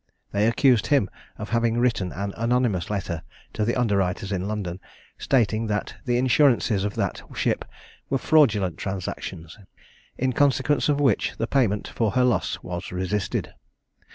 They accused him of having written an anonymous letter to the underwriters in London, stating that the insurances of that ship were fraudulent transactions; in consequence of which the payment for her loss was resisted.